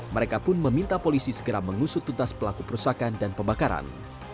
mereka pun meminta polisi segera mengusut tuntas pelaku perusakan dan pembakaran